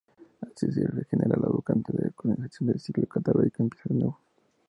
Así se regenera la vacante de coordinación y el ciclo catalítico empieza de nuevo.